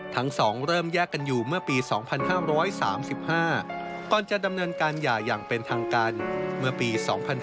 ทั้ง๒เริ่มแยกกันอยู่เมื่อปี๒๕๓๕ก่อนจะดำเนินการหย่าอย่างเป็นทางการเมื่อปี๒๕๕๙